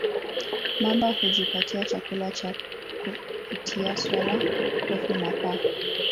mamba hujipatia chakula chao kupitia swala pofu na paa